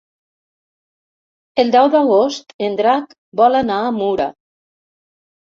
El deu d'agost en Drac vol anar a Mura.